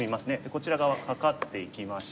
こちら側カカっていきまして。